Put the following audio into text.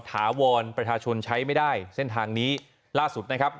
ถาวรประชาชนใช้ไม่ได้เส้นทางนี้ล่าสุดนะครับ